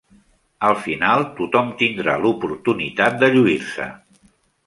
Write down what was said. Al final tothom tindrà l'oportunitat de lluir-se.